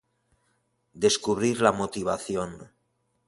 Descubrir la motivación